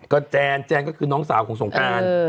ก็แจนก็คือน้องสาวของสงการ